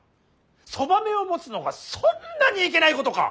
そばめを持つのがそんなにいけないことか！